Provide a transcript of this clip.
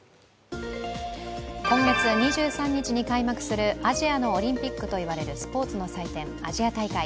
今月２３日に開幕するアジアのオリンピックといわれるスポーツの祭典、アジア大会。